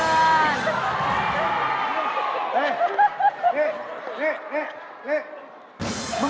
มึงหาล่ะ